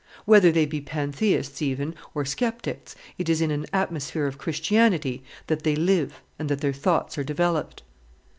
Whether they be pantheists even or sceptics, it is in an atmosphere of Christianity that they live and that their thoughts are developed.